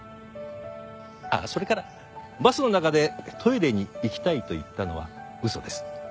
ああそれからバスの中でトイレに行きたいと言ったのは嘘です。